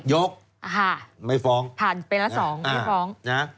ยกไม่ฟ้องผ่านเป็นละ๒ไม่ฟ้อง